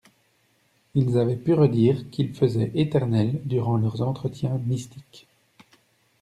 Ils avaient pu redire qu'il faisait éternel durant leurs entretiens mystiques.